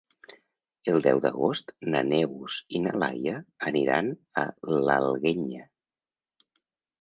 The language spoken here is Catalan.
El deu d'agost na Neus i na Laia aniran a l'Alguenya.